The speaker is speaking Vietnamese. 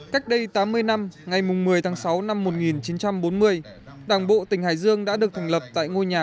cách đây tám mươi năm ngày một mươi tháng sáu năm một nghìn chín trăm bốn mươi đảng bộ tỉnh hải dương đã được thành lập tại ngôi nhà